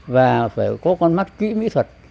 và phải có con mắt kỹ mỹ thuật